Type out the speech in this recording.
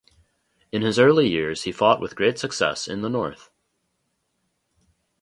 In his early years he fought with great success in the north.